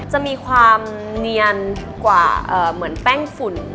จะมีความเนียนกว่าเหมือนแป้งฝุ่น